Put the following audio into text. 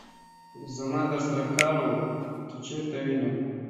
They are then attacked by sentinels and saved by Trevor Fitzroy.